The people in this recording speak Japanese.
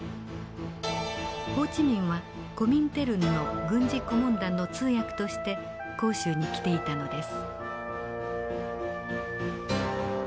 ホー・チ・ミンはコミンテルンの軍事顧問団の通訳として広州に来ていたのです。